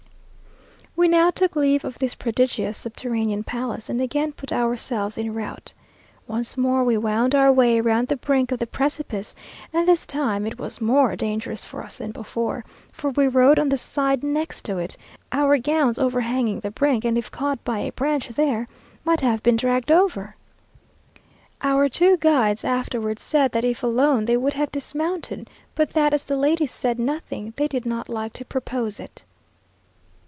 We now took leave of this prodigious subterranean palace, and again put ourselves en route. Once more we wound our way round the brink of the precipice, and this time it was more dangerous for us than before, for we rode on the side next it, our gowns overhanging the brink, and if caught by a branch there, might have been dragged over. Our two guides afterwards said that if alone, they would have dismounted; but that as the ladies said nothing, they did not like to propose it.